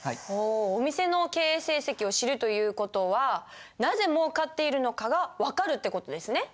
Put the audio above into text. お店の経営成績を知るという事はなぜもうかっているのかが分かるって事ですね。